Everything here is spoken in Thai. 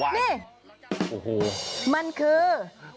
นี่มันคือ